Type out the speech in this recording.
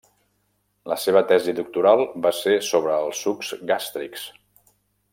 La seva tesi doctoral va ser sobre els sucs gàstrics.